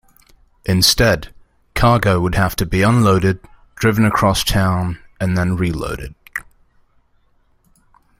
Instead, cargo would have to be unloaded, driven across town, and then reloaded.